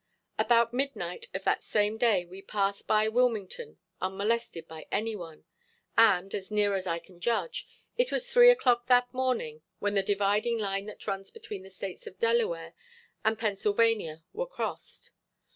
About midnight of that same day we passed by Wilmington unmolested by any one, and, as near as I can judge, it was three o'clock that morning when the dividing line that runs between the States of Delaware and Pennsylvania were crossed.